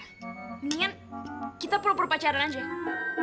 mendingan kita perlu perpacaran aja